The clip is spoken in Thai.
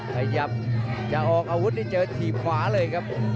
เขยำจะออกอาวุธอยู่ที่ทีมขวาเลยครับ